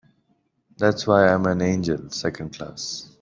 That's why I'm an angel Second Class.